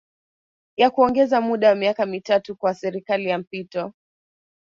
ya kuongeza muda wa miaka mitatu kwa serikali ya mpito